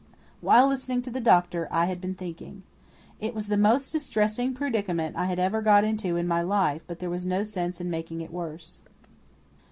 While listening to the doctor I had been thinking. It was the most distressing predicament I had ever got into in my life, but there was no sense in making it worse.